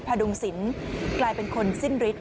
ดุงศิลป์กลายเป็นคนสิ้นฤทธ